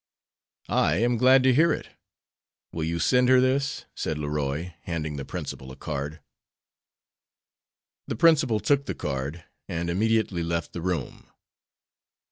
"I am glad to hear it. Will you send her this?" said Leroy, handing the principal a card. The principal took the card and immediately left the room.